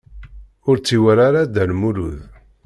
Ur tt-iwala ara Dda Lmulud.